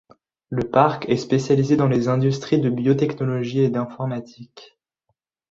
Le parc est spécialisé dans les industries de biotechnologie et d'informatique.